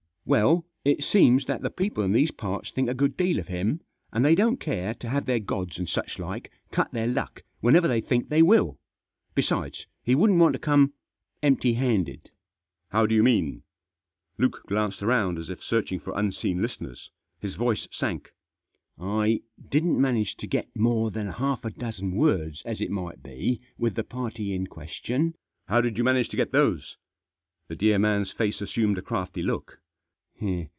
" Well, it seems that the people in these parts think a good deal of him, and they don't care to have their gods and such like cut their lucky whenever they think Digitized by LUKE'S SUGGESTION. 237 they will. Besides, he wouldn't want to come empty handed." " How do you mean ?" Luke glanced round, as if searching for unseen listeners. His voice sank. "I didn't manage to get more than half a dozen words, as it might be, with the party in question "" How did you manage to get those ?" The dear man's face assumed a crafty look.